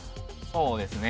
そうですね